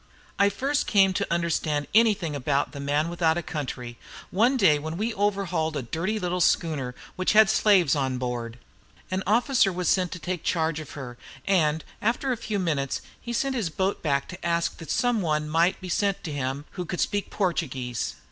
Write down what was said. I first came to understand anything about "the man without a country" one day when we overhauled a dirty little schooner which had slaves on board. An officer was sent to take charge of her, and, after a few minutes, he sent back his boat to ask that some one might be sent him who could speak Portuguese.